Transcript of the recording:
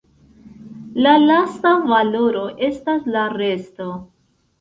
La lasta valoro estas la resto.